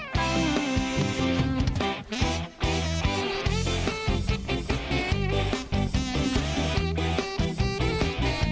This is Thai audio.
ขอเพียงหนึ่งเดียวเท่านั้น